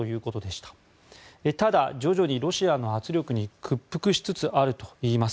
ただ、徐々にロシアの圧力に屈服しつつあるといいます。